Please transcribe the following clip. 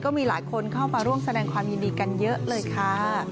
มีหลายคนเข้ามาร่วมแสดงความยินดีกันเยอะเลยค่ะ